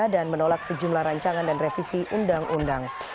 dan menolak sejumlah rancangan dan revisi undang undang